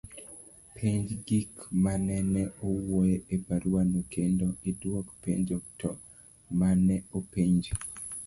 penj gik manene owuoye e barua no kendo idwok penjo to mane openji